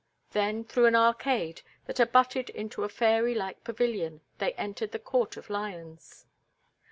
Then, through an arcade that abutted into a fairy like pavilion, they entered the Court of Lions.